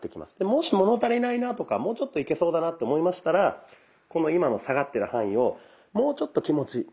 もし物足りないなとかもうちょっといけそうだなと思いましたらこの今の下がってる範囲をもうちょっと気持ち。